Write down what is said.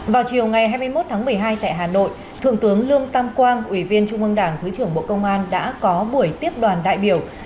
vào chiều ngày hai mươi một tháng một mươi hai tại hà nội thượng tướng lương tam quang ủy viên trung ương đảng thứ trưởng bộ công an đã có buổi tiếp đoàn đại biểu